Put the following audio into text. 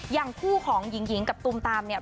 อย่างคู่ของหญิงหญิงกับตุมตามเนี่ย